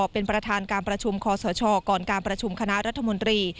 เป็นประธานการประชุมคอสชก่อนการประชุมคณะรัฐมนตรี